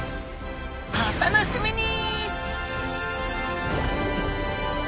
お楽しみに！